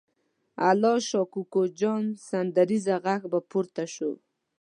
د الله شا کوکو جان سندریزه غږ به پورته شو.